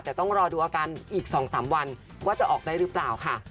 แต่ต้องรอดูอาการอีก๒๓วันว่าจะออกได้หรือเปล่าค่ะ